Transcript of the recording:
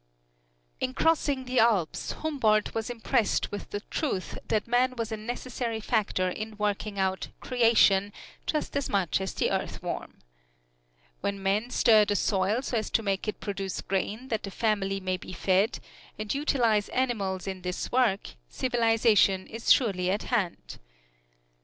In crossing the Alps, Humboldt was impressed with the truth that man was a necessary factor in working out "creation," just as much as the earthworm. When men stir the soil so as to make it produce grain that the family may be fed, and utilize animals in this work, civilization is surely at hand.